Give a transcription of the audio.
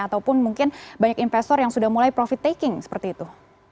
ataupun mungkin banyak investor yang sudah mulai profit taking seperti itu